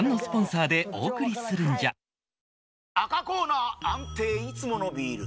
赤コーナー安定いつものビール！